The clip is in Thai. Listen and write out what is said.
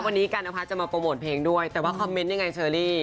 วันนี้กันนพัฒน์จะมาโปรโมทเพลงด้วยแต่ว่าคอมเมนต์ยังไงเชอรี่